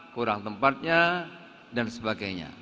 kurang tempatnya dan sebagainya